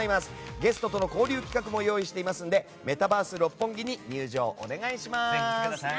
ゲストとの交流企画も用意していますのでメタバース六本木に入場お願いします！